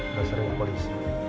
udah sering ke polisi